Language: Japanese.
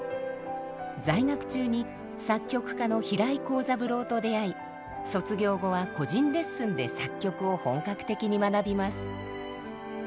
在学中に作曲家の平井康三郎と出会い卒業後は個人レッスンで作曲を本格的に学びます。